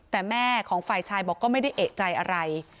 แต่แม่ของฝ่ายชายบอกก็ไม่ได้เอกใจอะไร